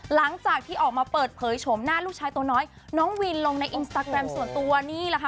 หลังจากที่ออกมาเปิดเผยโฉมหน้าลูกชายตัวน้อยน้องวินลงในอินสตาแกรมส่วนตัวนี่แหละค่ะ